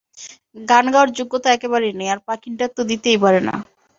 গান গাওয়ার যোগ্যতা একেবারেই নেই, আর পাখির ডাক তো দিতেই পারে না।